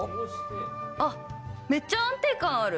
あっ、めっちゃ安定感ある。